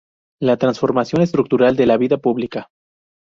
La transformación estructural de la vida pública".